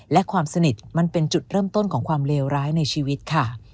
และความสนิทมันเป็นจุดเริ่มต้นของความเลวร้ายในชีวิตค่ะ